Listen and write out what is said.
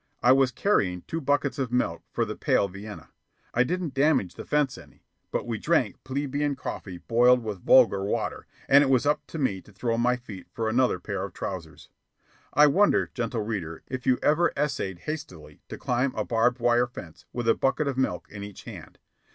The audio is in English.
I was carrying two buckets of milk for the pale Vienna. I didn't damage the fence any; but we drank plebian coffee boiled with vulgar water, and it was up to me to throw my feet for another pair of trousers. I wonder, gentle reader, if you ever essayed hastily to climb a barbed wire fence with a bucket of milk in each hand.